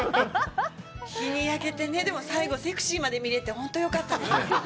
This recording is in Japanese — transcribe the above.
日に焼けて、最後、セクシーまで見れて本当によかったですね。